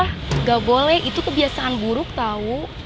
nggak boleh itu kebiasaan buruk tau